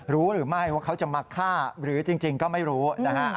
รู้หรือไม่ว่าเขาจะมาฆ่าหรือจริงก็ไม่รู้นะฮะ